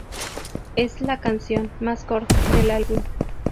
Es la canción más corta del álbum.